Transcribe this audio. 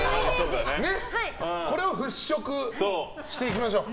これを払拭していきましょう。